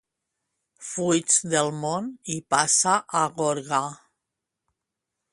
Fuig del món i passa a Gorga!